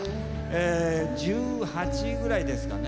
え１８ぐらいですかね。